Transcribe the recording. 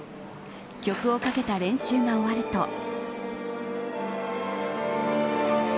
曲をかけた練習が終わると。